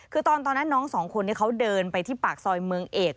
คือตอนนั้นน้องสองคนนี้เขาเดินไปที่ปากซอยเมืองเอก